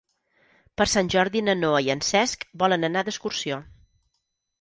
Per Sant Jordi na Noa i en Cesc volen anar d'excursió.